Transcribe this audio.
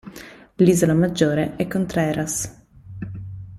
L'isola maggiore è Contreras.